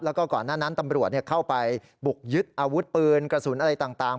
แล้วก็ก่อนหน้านั้นตำรวจเข้าไปบุกยึดอาวุธปืนกระสุนอะไรต่าง